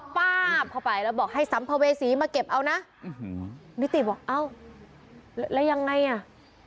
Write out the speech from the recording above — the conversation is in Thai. ป้าบเข้าไปแล้วบอกให้สัมภเวษีมาเก็บเอานะนิติบอกเอ้าแล้วยังไงอ่ะ